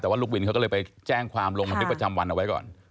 แต่ว่าลูกวินเขาก็เลยไปแจ้งความลงบันทึกประจำวันเอาไว้ก่อน